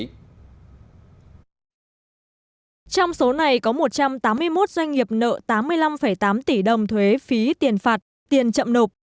trong số này có một trăm tám mươi một doanh nghiệp nợ tám mươi năm tám tỷ đồng thuế phí tiền phạt tiền chậm nộp